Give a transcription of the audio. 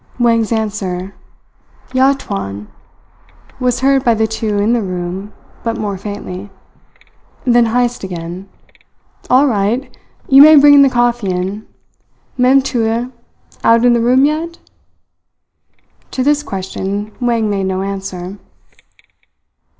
Wang's answer, "Ya tuan," was heard by the two in the room, but more faintly. Then Heyst again: "All right! You may bring the coffee in. Mem Putih out in the room yet?" To this question Wang made no answer.